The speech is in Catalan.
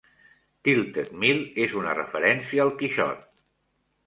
Tilted Mill és una referència al Quixot.